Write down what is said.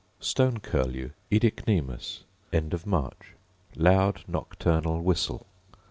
Stone curlew, OEdicnemus: End of March; loud nocturnal whistle.